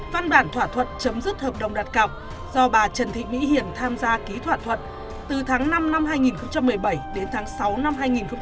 văn bản thỏa thuận chấm dứt hợp đồng đặt cọc do bà trần thị mỹ hiền tham gia ký thỏa thuận từ tháng năm năm hai nghìn một mươi bảy đến tháng sáu năm hai nghìn một mươi bảy